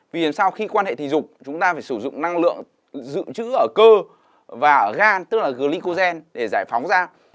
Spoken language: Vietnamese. vì làm sao khi quan hệ tình dục chúng ta phải sử dụng năng lượng dự trữ ở cơ và ở gan tức là glycogen để giải phóng ra